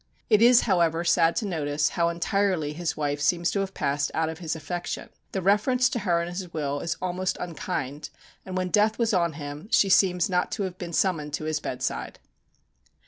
It is, however, sad to notice how entirely his wife seems to have passed out of his affection. The reference to her in his will is almost unkind; and when death was on him she seems not to have been summoned to his bedside.